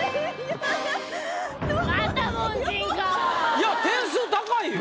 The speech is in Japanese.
いや点数高いよ。